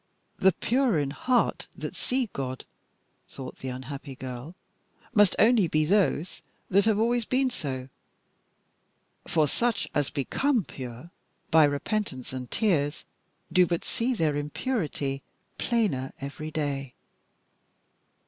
The pure in heart that see God, thought the unhappy girl, must only be those that have always been so, for such as become pure by repentance and tears do but see their impurity plainer every day.